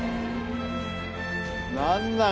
何なん？